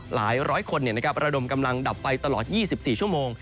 หลายร้อยคนระดมกำลังดับไฟตลอด๒๔ชั่วโมง